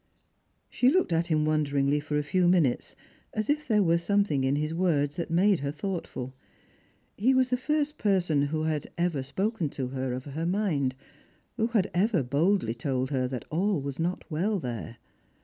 She looked at him wonderingly for a few minutes, as if there were something in his words that made her thoughtful. _He was the first person who had ever spoken to her of her mind, who had ever boldly told her that all was not well there.